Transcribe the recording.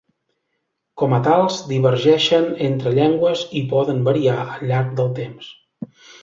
Com a tals, divergeixen entre llengües i poden variar al llarg del temps.